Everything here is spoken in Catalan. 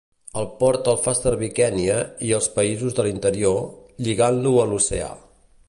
El port el fa servir Kenya i els països de l'interior, lligant-lo a l'oceà.